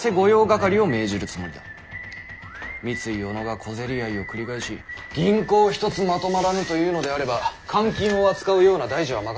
三井小野が小競り合いを繰り返し銀行一つまとまらぬというのであれば官金を扱うような大事は任せられぬ。